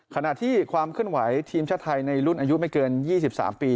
ขณะที่ความเคลื่อนไหวทีมชาติไทยในรุ่นอายุไม่เกิน๒๓ปี